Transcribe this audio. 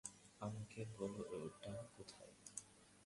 আমাকে বলো ওটা কোথায়?